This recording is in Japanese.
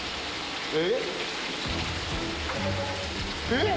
えっ？